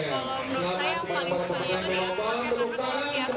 kalau menurut saya paling susah itu di aspek